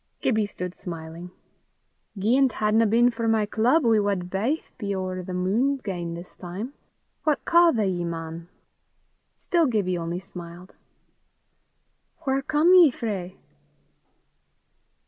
Gibbie stood smiling. "Gien 't hadna been for my club we wad baith be ower the mune 'gain this time. What ca' they ye, man?" Still Gibbie only smiled. "Whaur come ye frae?